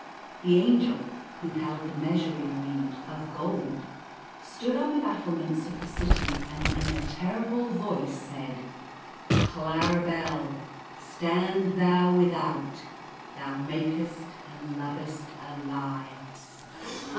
The Angel, who held the measuring reed of 132 Repentance. gold, stood on the battlements of the city, and in a terrible voice said —" Claribel, stand thou without ; thou makest and lovest le.